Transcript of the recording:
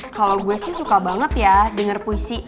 kalau gue sih suka banget ya denger puisi